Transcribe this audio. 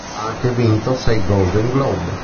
Ha anche vinto sei Golden Globe.